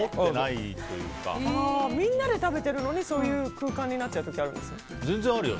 みんなで食べてるのにそういう空間になっちゃう時全然あるよ。